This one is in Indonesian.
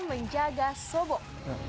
dan menjaga sobok